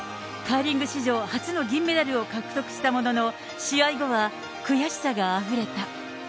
カーリング史上初の銀メダルを獲得したものの、試合後は、悔しさがあふれた。